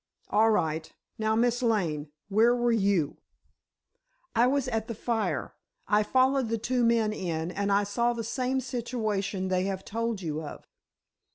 "All right. Now, Miss Lane, where were you?" "I was at the fire. I followed the two men in, and I saw the same situation they have told you of."